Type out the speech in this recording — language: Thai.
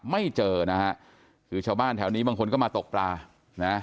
ไม่เจอนะฮะคือชาวบ้านแถวนี้บางคนก็มาตกปลานะ